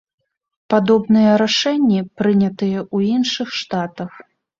Падобныя рашэнні прынятыя ў іншых штатах.